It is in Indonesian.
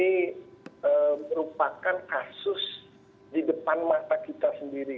ini merupakan kasus di depan mata kita sendiri